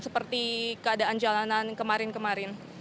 seperti keadaan jalanan kemarin kemarin